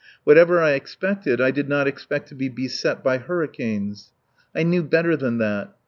Whatever I expected I did not expect to be beset by hurricanes. I knew better than that.